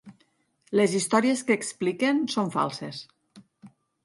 Les històries que expliquen són falses.